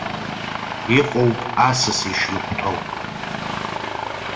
Иҟоуп асас ишихәҭоу.